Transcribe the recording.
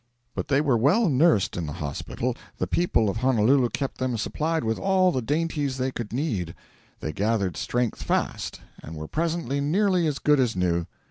But they were well nursed in the hospital; the people of Honolulu kept them supplied with all the dainties they could need; they gathered strength fast, and were presently nearly as good as new.